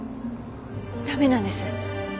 駄目なんです。